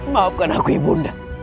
maafkan aku ibu undang